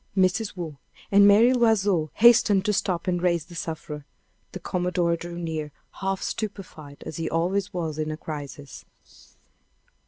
Mrs. Waugh and Mary L'Oiseau hastened to stoop and raise the sufferer. The commodore drew near, half stupefied, as he always was in a crisis.